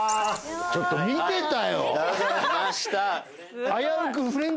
ちょっと見てたよ！